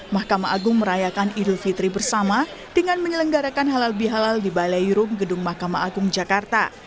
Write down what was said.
mahkamah agung merayakan idul fitri bersama dengan menyelenggarakan halal bihalal di balai rum gedung mahkamah agung jakarta